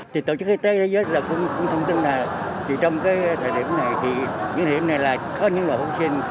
thì tổ chức y tế thế giới cũng thông tin là trong cái thời điểm này thì những hiểm này là có những loại vaccine